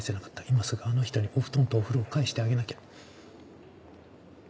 今すぐあの人にお布団とお風呂を返してあげなきゃ。